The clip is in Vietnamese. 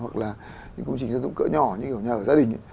hoặc là những công trình dân dụng cỡ nhỏ như nhà ở gia đình